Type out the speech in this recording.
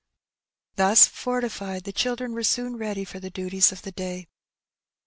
Thus fortified, the children were soon ready for the duties of the day.